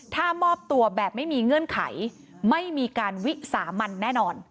ถ้ามอบตัวแบบไม่มีเงื่อนไขไม่มีการวิสามันแน่นอน